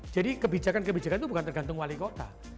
jadi kebijakan kebijakan itu bukan tergantung wali kota